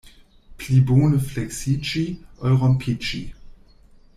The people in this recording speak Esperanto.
Pli bone fleksiĝi, ol rompiĝi.